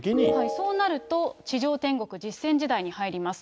そうなると、地上天国実践時代に入ります。